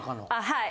はい。